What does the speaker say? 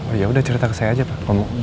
oh ya udah cerita ke saya aja pak